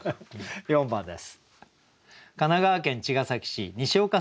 ４番です。